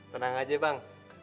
tenang aja bang